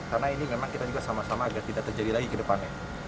karena ini memang kita juga sama sama agar tidak terjadi lain